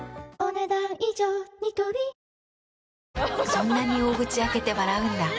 そんなに大口開けて笑うんだ。